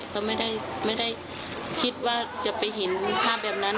ก็ไม่ได้คิดว่าจะไปเห็นภาพแบบนั้น